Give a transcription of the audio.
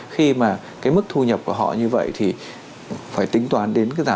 khi mà cái mức thu nhập của họ như vậy thì phải tính toán đến cái giảm